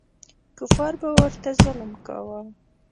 کفار به ورته ظلم کاوه.